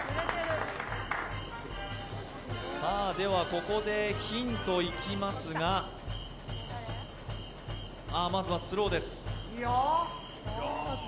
ここでヒントいきますが、まずはスローです。